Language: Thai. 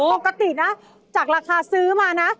ปกตินะจากราคาซื้อมานะ